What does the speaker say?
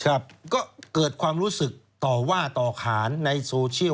ครับก็เกิดความรู้สึกต่อว่าต่อขานในโซเชียล